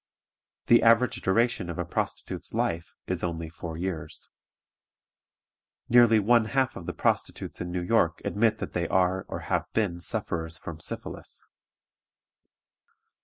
The average duration of a prostitute's life is only four years. Nearly one half of the prostitutes in New York admit that they are or have been sufferers from syphilis.